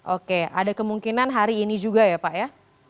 oke ada kemungkinan hari ini juga ya pak ya